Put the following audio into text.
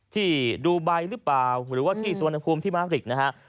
ที่ดูใบหรือเปล่าหรือว่าที่สุวรรณภูมิหรือที่มาริก